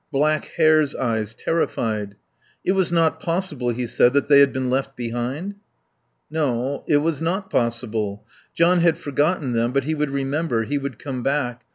Black hare's eyes, terrified. It was not possible, he said, that they had been left behind? No, it was not possible. John had forgotten them; but he would remember; he would come back.